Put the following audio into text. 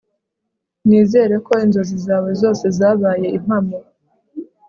Nizere ko inzozi zawe zose zabaye impamo